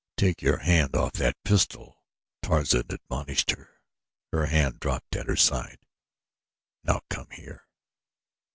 "Take your hand off that pistol," Tarzan admonished her. Her hand dropped at her side. "Now come here!"